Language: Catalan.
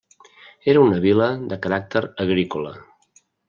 Era una vila de caràcter agrícola.